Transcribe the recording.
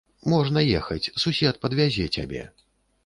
Можна ехаць, сусед падвязе цябе.